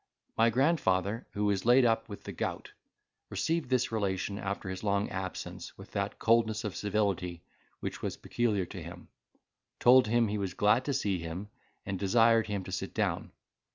My grandfather (who was laid up with the gout) received this relation, after his long absence, with that coldness of civility which was peculiar to him; told him he was glad to see him, and desired him to sit down.